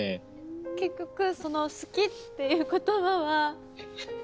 結局「好き」っていう言葉は。